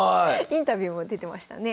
インタビューも出てましたね。